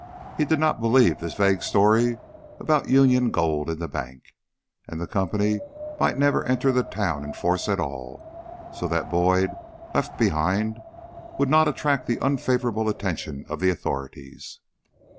He did not believe this vague story about Union gold in the bank. And the company might never enter the town in force at all. So that Boyd, left behind, would not attract the unfavorable attention of the authorities.